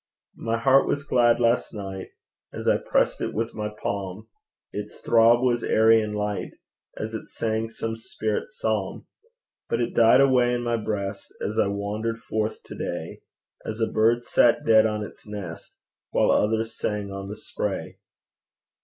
My heart was glad last night, As I pressed it with my palm; Its throb was airy and light As it sang some spirit psalm; But it died away in my breast As I wandered forth to day As a bird sat dead on its nest, While others sang on the spray.